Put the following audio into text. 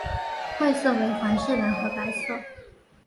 会色为皇室蓝和白色。